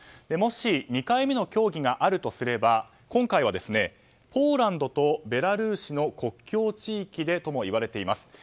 もし、２回目の協議があるとすれば今回は、ポーランドとベラルーシの国境地域でともいわれています。